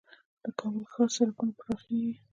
د کابل ښار سړکونه پراخیږي؟